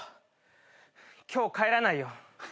今日帰らないよ。